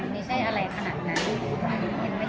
แบบบางคนเห็นว่าต่างแล้วเลิก